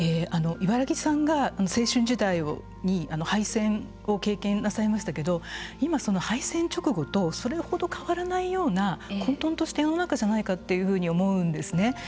茨木さんが青春時代に敗戦を経験なさいましたけど今その敗戦直後とそれほど変わらないような混とんとした世の中じゃないかというふうに思うんですね。